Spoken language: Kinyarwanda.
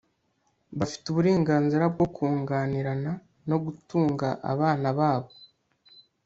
bafite uburenganzira bwo kunganirana no gutunga abana babo